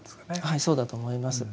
はいそうだと思います。